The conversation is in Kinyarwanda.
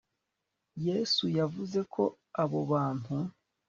yesu yavuze ko abo bantu